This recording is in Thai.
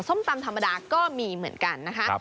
ส้มตำธรรมดาก็มีเหมือนกันนะคะ